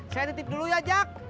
saya titip dulu ya jak